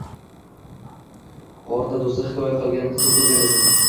g‘orda do‘sti hikoya qilgan qiz o‘tirgan edi